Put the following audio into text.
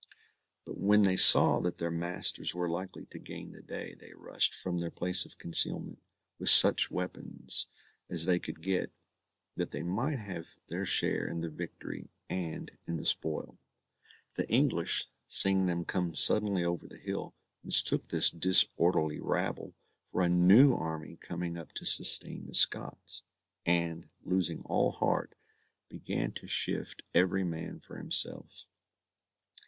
But when they saw that their masters were likely to gain the day, they rushed from their place of concealment with such weapons as they could get, that they might have their share in the victory and in the spoil. The English, seeing them come suddenly over the hill, mistook this disorderly rabble for a new army coming up to sustain the Scots, and, losing all heart, began to shift every man for himself.